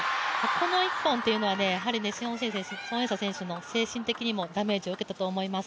この１本というのは、孫エイ莎選手の精神的にもダメージを受けたと思います。